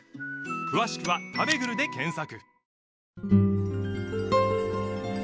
詳しくは「たべぐる」で検索